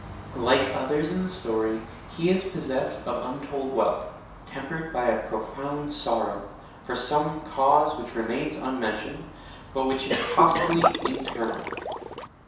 Like others in the story, he is possessed of untold wealth, tempered by a profound sorrow, for some cause which remains unmentioned, but which is possibly internal.